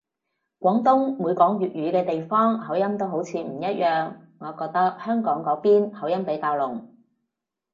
廣東每講粵語嘅地方口音好似都唔一樣，我覺得香港嗰邊口音比較濃